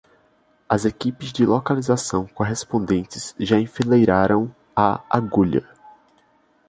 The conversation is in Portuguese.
As equipes de localização correspondentes já enfileiraram a agulha.